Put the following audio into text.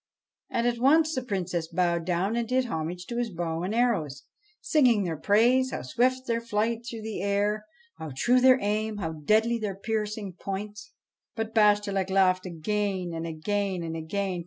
And at once the Princess bowed down and did homage to his bow and arrows, singing their praise: how swift their flight through the air, how true their aim, how deadly their piercing points. But Bashtchelik laughed again, and again, and again.